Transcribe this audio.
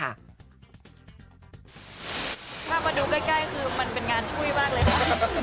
ถ้ามาดูใกล้มันแบบเป็นงานชุ่ยมากเลยค่ะ